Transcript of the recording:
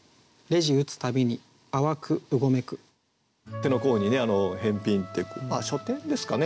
「手の甲に返品」って書店ですかね